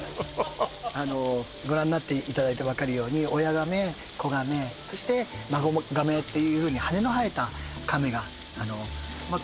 あのご覧になっていただいて分かるように親亀子亀そして孫亀っていうふうに羽の生えた亀があのまあ